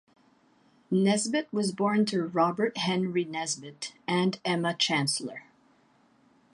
Nesbitt was born to Robert Henry Nesbitt, and Emma Chancellor.